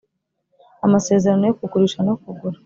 Amasezerano yo kugurisha no kugura